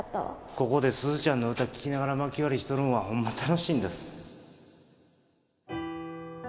ここで鈴ちゃんの歌聴きながらまき割りしとるんはホンマ楽しいんだす。